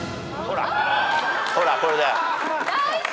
ほらこれだよ。